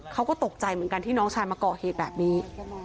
เขาก็ตกใจเหมือนกันที่น้องชายมาก่อเหตุแบบนี้